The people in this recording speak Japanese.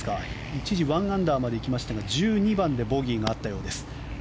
一時、１アンダーまで行きましたが１２番でボギーがあったようです。